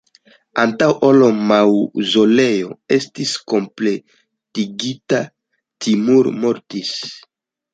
Antaŭ ol la maŭzoleo estis kompletigita, Timur mortis.